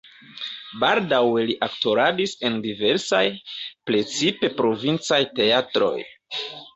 Baldaŭe li aktoradis en diversaj, precipe provincaj teatroj.